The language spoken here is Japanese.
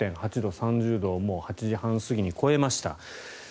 ３０度を８時半過ぎに超えました。